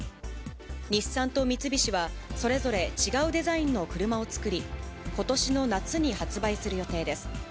日産と三菱は、それぞれ違うデザインの車を作り、ことしの夏に発売する予定です。